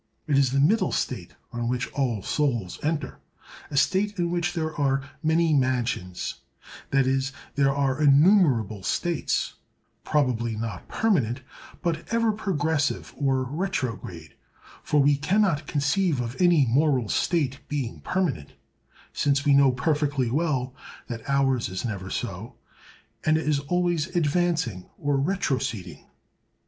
It is the middle state, on which all souls enter—a state in which there are many mansions; that is, there are innumerable states—probably not permanent, but ever progressive or retrograde; for we can not conceive of any moral state being permanent, since we know perfectly well that ours is never so; it is always advancing or retroceding.